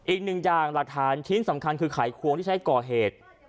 อีกหนึ่งอย่างหลักฐานชิ้นสำคัญคือไขควงที่ใช้ก่อเหตุ